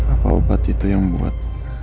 apa obat itu yang membuat